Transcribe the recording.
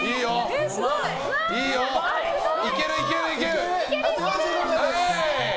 いける、いける！